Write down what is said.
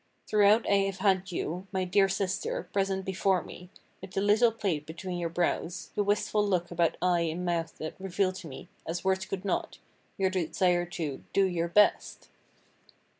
Throughout I have had you, my dear sister, present before me, with the little plait between your brows, the wistful look about eye and mouth that reveal to me, as words could not, your desire to "do your best."